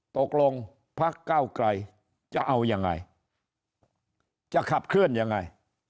ตกลงพักเก้าไกรจะเอายังไงจะขับเคลื่อนยังไง